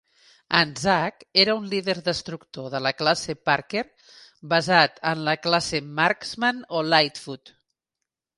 "Anzac" era un líder destructor de la classe "Parker", basat en la classe "Marksman" o "Lightfoot".